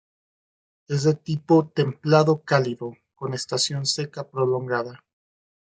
Es de tipo templado cálido con estación seca prolongada.